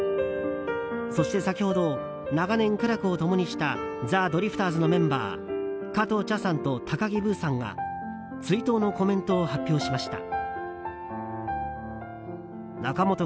そして先ほど長年、苦楽を共にしたザ・ドリフターズのメンバー加藤茶さんと高木ブーさんが追悼のコメントを発表しました。